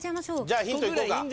じゃあヒントいこうか。